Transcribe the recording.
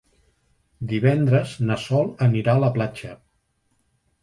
Divendres na Sol anirà a la platja.